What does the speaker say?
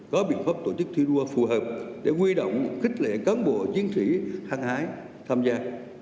có biện pháp tổ chức thi đua phù hợp để quy động khích lệ cán bộ chiến sĩ hăng hái tham gia